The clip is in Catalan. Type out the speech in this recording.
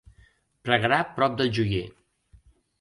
Pregarà prop del joier.